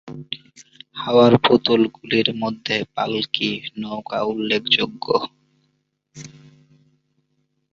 হাওড়ার পুতুল গুলির মধ্যে পালকি, নৌকা উল্লেখযোগ্য।